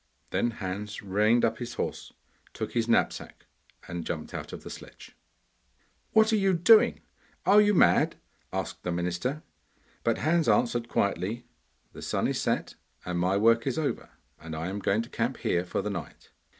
Then Hans reined up his horse, took his knapsack, and jumped out of the sledge. 'What are you doing? Are you mad?' asked the minister, but Hans answered quietly, 'The sun is set and my work is over, and I am going to camp here for the night.